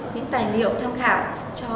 những tài liệu tham khảo cho